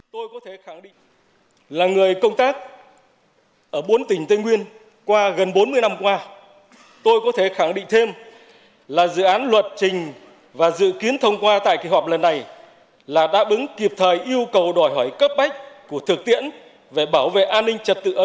tôi có thể khẳng định là người công tác ở bốn tỉnh tây nguyên qua gần bốn mươi năm qua tôi có thể khẳng định thêm là dự án luật trình và dự kiến thông qua tại kỳ họp lần này là đáp ứng kịp thời yêu cầu đòi hỏi cấp bách của thực tiễn về bảo vệ an ninh trật tự ở